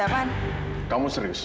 ayo berp predication tapi kira kira loh